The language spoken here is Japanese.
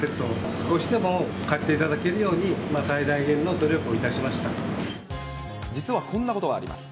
少しでも買っていただけるように、実はこんなことがあります。